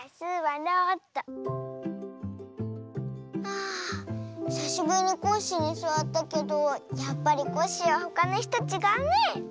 あひさしぶりにコッシーにすわったけどやっぱりコッシーはほかのいすとちがうね。